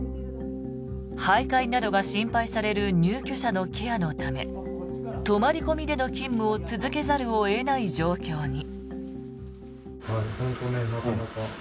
徘徊などが心配される入居者のケアのため泊まり込みでの勤務を続けざるを得ない状況に。